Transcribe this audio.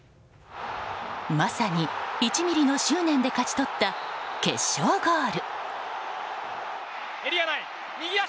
まさに１ｍｍの執念で勝ち取った決勝ゴール。